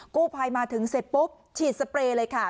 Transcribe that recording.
กู้ภัยมาถึงเสร็จปุ๊บฉีดสเปรย์เลยค่ะ